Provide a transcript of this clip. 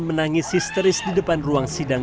menangis histeris di depan ruang sidang